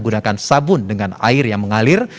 dan sabun dengan air yang mengalir